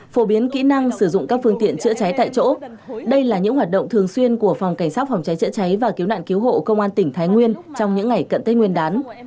phổ biến kỹ năng sử dụng các phương tiện chữa cháy tại chỗ đây là những hoạt động thường xuyên của phòng cảnh sát phòng cháy chữa cháy và cứu nạn cứu hộ công an tỉnh thái nguyên trong những ngày cận tết nguyên đán